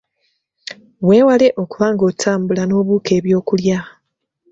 Weewale okuba nga otambula n’obuuka ebyokulya.